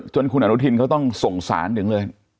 คุณอนุทินเขาต้องส่งสารถึงเลย